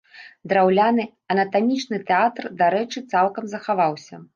Драўляны анатамічны тэатр, дарэчы, цалкам захаваўся.